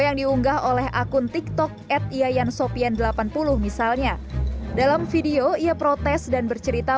yang diunggah oleh akun tiktok at yayan sopian delapan puluh misalnya dalam video ia protes dan bercerita